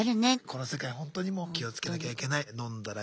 この世界ほんとにもう気をつけなきゃいけない。